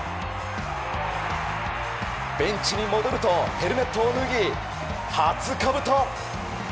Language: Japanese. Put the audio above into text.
ベンチに戻るとヘルメットを脱ぎ初かぶと！